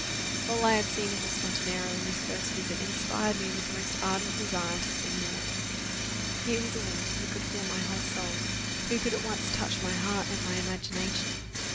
All I had seen of Miss Montenero in this first visit inspired me with the most ardent desire to see more. Here was a woman who could fill my whole soul; who could at once touch my heart and my imagination.